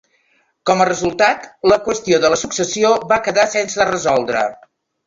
Com a resultat, la qüestió de la successió va quedar sense resoldre.